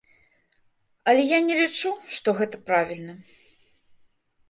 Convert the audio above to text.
Але я не лічу, што гэта правільна.